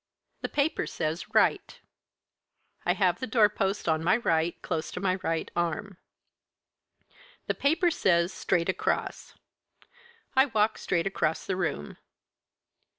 "The paper says 'Right' I have the door post on my right, close to my right arm. The paper says 'straight across' I walk straight across the room.